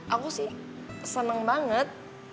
aku sih seneng banget